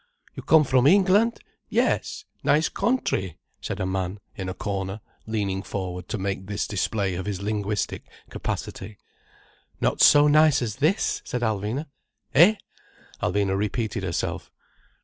"You come from England? Yes! Nice contry!" said a man in a corner, leaning forward to make this display of his linguistic capacity. "Not so nice as this," said Alvina. "Eh?" Alvina repeated herself.